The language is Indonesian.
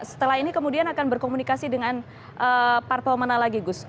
setelah ini kemudian akan berkomunikasi dengan parpol mana lagi gus